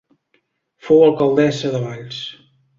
Fou alcaldessa de Valls.